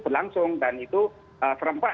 berlangsung dan itu serempak